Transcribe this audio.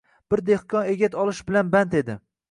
Bir dehqon egat olish bilan band edi